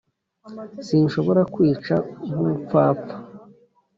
sinshobora kwica, nk'umupfapfa,